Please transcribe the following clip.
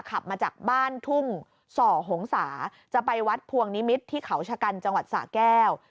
ขับมาจากบ้านทุ่งส่อหงษาจะไปวัดพวงนิมิตรที่เขาชะกันจังหวัดสะแก้ว